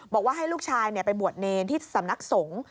บอกว่าให้ลูกชายไปบวชเนรที่สำนักสงฆ์